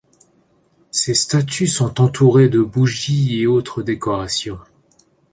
Ces statues sont entourées de bougies et autres décorations.